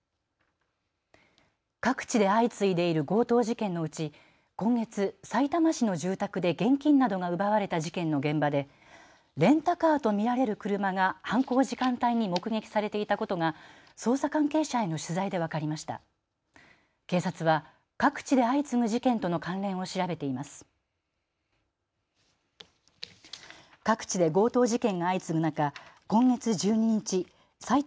各地で相次いでいる強盗事件のうち今月、さいたま市の住宅で現金などが奪われた事件の現場でレンタカーと見られる車が犯行時間帯に目撃されていたことが捜査関係者への取材で分かりました。